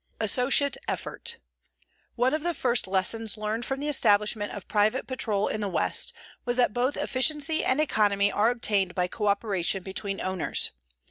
ASSOCIATE EFFORT One of the first lessons learned from the establishment of private patrol in the West was that both efficiency and economy are obtained by co operation between owners.